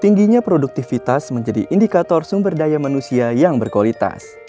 tingginya produktivitas menjadi indikator sumber daya manusia yang berkualitas